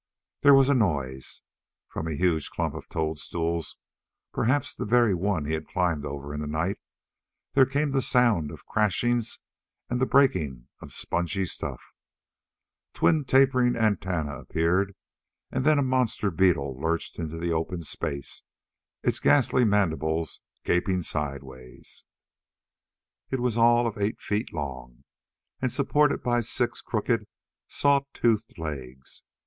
There was a noise. From a huge clump of toadstools perhaps the very one he had climbed over in the night there came the sound of crashings and the breaking of the spongy stuff. Twin tapering antennae appeared, and then a monster beetle lurched into the open space, its ghastly mandibles gaping sidewise. It was all of eight feet long and supported by six crooked, saw toothed legs.